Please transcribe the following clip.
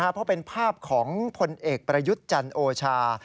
เพราะเป็นภาพของพลเอกประยุทธ์จันทร์โอชา